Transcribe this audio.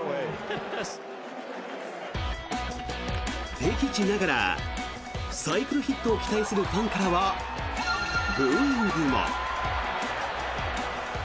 敵地ながら、サイクルヒットを期待するファンからはブーイングも。